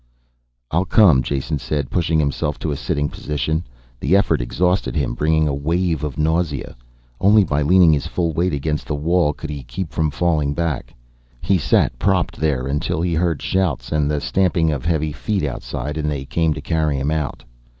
"I'll come," Jason said, pushing himself to a sitting position. The effort exhausted him, bringing a wave of nausea. Only by leaning his full weight against the wall could he keep from falling back. He sat, propped there, until he heard shouts and the stamping of heavy feet outside, and they came to carry him out.